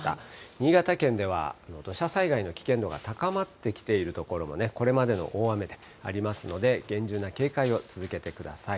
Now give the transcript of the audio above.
新潟県では、土砂災害の危険度が高まってきている所もこれまでの大雨でありますので、厳重な警戒を続けてください。